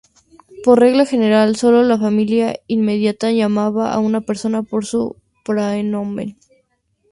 Por regla general, solo la familia inmediata llamaba a una persona por su "praenomen".